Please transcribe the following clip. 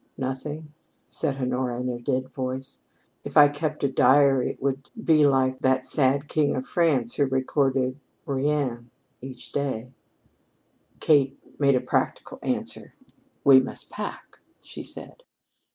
"Nothing," said Honora in her dead voice. "If I kept a diary, I would be like that sad king of France who recorded 'Rien' each day." Kate made a practical answer. "We must pack," she said.